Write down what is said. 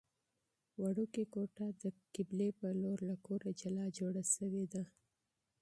وړوکې کوټه د قبلې په لور له کوره جلا جوړه شوې ده.